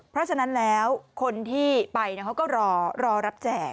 เพราะฉะนั้นแล้วคนที่ไปเขาก็รอรอรับแจก